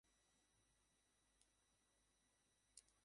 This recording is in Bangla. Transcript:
রুকানা ছিল বর্বর।